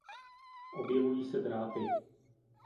Objevují se drápy.